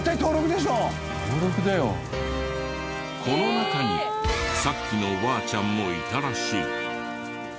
この中にさっきのおばあちゃんもいたらしい。